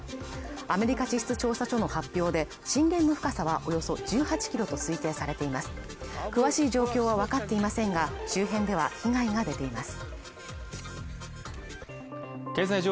アメリカ地質調査所の発表で震源の深さはおよそ１８ｋｍと推定されています詳しい状況は分かっていませんが周辺では被害が出ています